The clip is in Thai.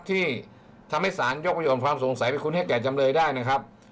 ที่ทำให้สารยกประโยคหรือความสงสัยเป็นคุณเหศจรรย์จำเลยได้นะครับ